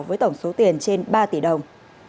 với tổng số tiền trên ba tỷ đồng